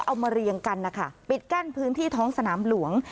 มาเรียงกันนะคะปิดกั้นพื้นที่ท้องสนามหลวง